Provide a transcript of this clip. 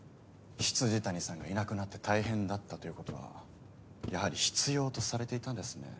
未谷さんがいなくなって大変だったということはやはり必要とされていたんですね